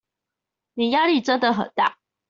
你壓力真的很大